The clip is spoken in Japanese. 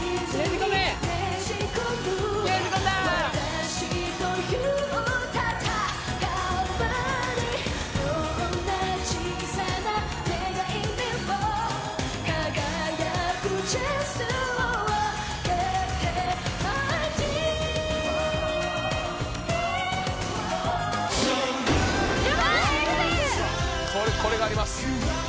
「これがあります」